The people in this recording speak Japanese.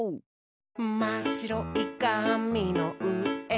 「まっしろいかみのうえをハイ！」